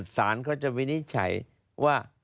สารเขาจะวินิจฉัยว่า